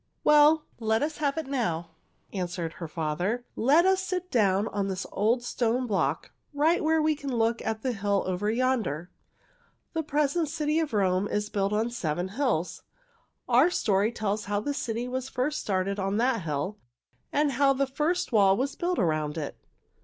"Well, let us have it now," answered her father. "Let us sit down on this old stone block right where we can look at the hill over yonder. The present city of Rome is built on seven hills. Our story tells how the city was first started on that hill and how the first wall was built around it."